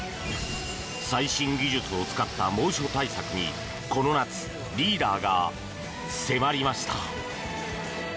最新技術を使った猛暑対策にこの夏、リーダーが迫りました。